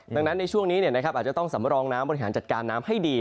ดังนั้นในช่วงนี้อาจจะต้องสำรองน้ำบริหารจัดการน้ำให้ดี